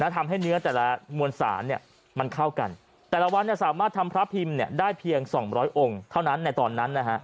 ทำให้เนื้อแต่ละมวลสารมันเข้ากันแต่ละวันสามารถทำพระพิมพ์ได้เพียง๒๐๐องค์เท่านั้นในตอนนั้น